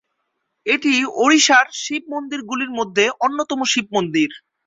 এটি ওড়িশার শিব মন্দির গুলির মধ্যে অন্যতম শিব মন্দির।